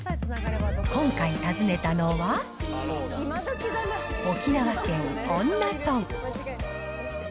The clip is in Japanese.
今回、訪ねたのは、沖縄県恩納村。